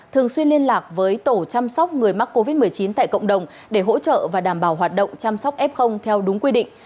thường xuyên liên lạc với tổ chăm sóc người mắc covid một mươi chín tại cộng đồng để hỗ trợ và đảm bảo hoạt động chăm sóc f theo đúng quy định